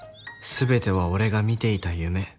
全ては俺が見ていた夢